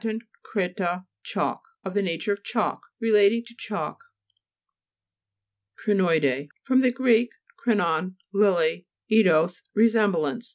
creta, chalk. Of the nature of chalk ; relating to chalk. CRINOIBEJB fr. gr. krinon, lily, eidos, resemblance.